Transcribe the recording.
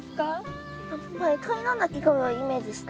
やっぱり鳥の鳴き声をイメージした。